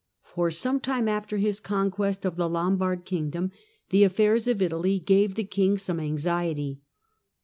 For some time after his conquest of the Lombard kingdom, the affairs of Italy gave the king some anxiety.